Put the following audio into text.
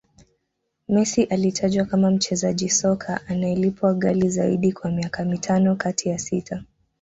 Messi alitajwa kama mchezaji soka anayelipwa ghali Zaidi kwa miaka mitano kati ya sita